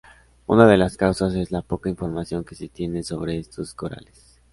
Una de las causas es la poca información que se tiene sobre estos corales.